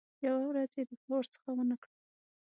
یوه ورځ یې دفاع ورڅخه ونه کړه.